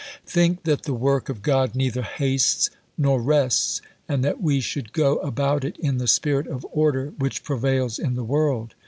Think that the work of God neither hastes nor rests, and that we should go about it in the spirit of order which prevails in the world.